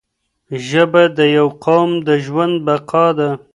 ژبه د یو قوم د ژوند بقا ده